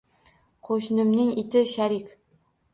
Qo`shnimning iti Sharik